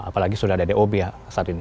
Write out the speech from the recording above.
apalagi sudah ada dob ya